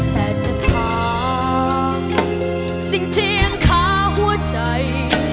แต่จะถามสิ่งเที่ยงคาหัวใจ